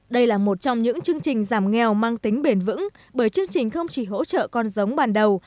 đây là một trong những chương trình giảm nghèo mang tính bền vững bởi chương trình không chỉ hỗ trợ con giống ban đầu